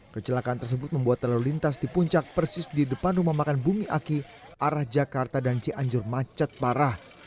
kecelakaan tersebut membuat lalu lintas di puncak persis di depan rumah makan bumi aki arah jakarta dan cianjur macet parah